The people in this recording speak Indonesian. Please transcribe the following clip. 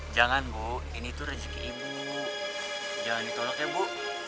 jangan bu ini tuh rezeki ibu jangan ditolak ya bu